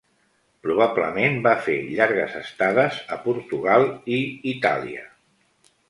Probablement va fer llargues estades a Portugal i Itàlia.